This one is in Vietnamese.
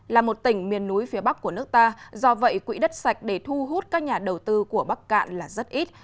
là một tỉnh miền núi phía bắc của nước ta do vậy quỹ đất sạch để thu hút các nhà đầu tư của bắc cạn là rất ít